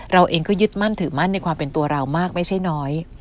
เราเองก็ยึดมั่นถือมั่นในความเป็นตัวเรามากไม่ใช่น้อย